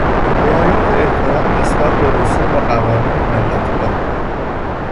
رعایت احترام نسبت به رسوم و قوانین ملتها